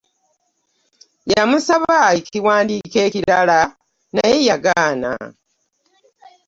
Yamusaba ekiwandiiko ekirara anye yagaana .